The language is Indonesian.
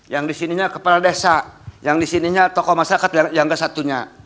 yang di sininya kepala desa yang di sininya tokoh masyarakat yang nggak satunya